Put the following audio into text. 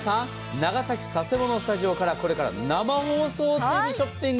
長崎・佐世保のスタジオからこれから生放送ＴＶショッピング。